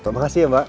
terima kasih ya mbak